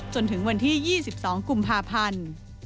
จนถึงวันที่๒๒กุมภาพันธ์